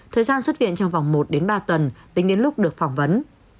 thời gian xuất viện trong vòng một đến ba tuần tính đến lúc được phỏng vấn